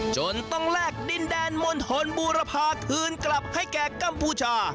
จนต้องแลกดินแดนมณฑลบูรพาคืนกลับให้แก่กัมพูชา